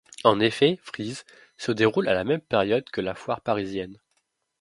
En effet, Frieze se déroule à la même période que la foire parisienne.